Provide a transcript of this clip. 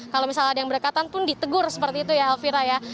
kalau misalnya ada yang berdekatan pun ditegur seperti itu ya elvira ya